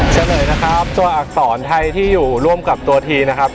เฉลยนะครับตัวอักษรไทยที่อยู่ร่วมกับตัวทีนะครับ